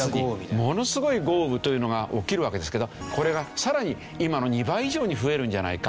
ものすごい豪雨というのが起きるわけですけどこれがさらに今の２倍以上に増えるんじゃないか。